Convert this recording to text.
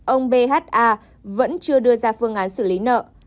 ông bha vẫn chưa đưa ra phương án xử lý nợ